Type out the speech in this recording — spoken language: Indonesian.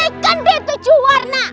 belikan deh tuju warna